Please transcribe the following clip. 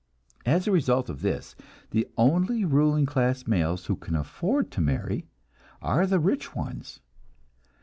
As a result of this, the only ruling class males who can afford to marry are the rich ones.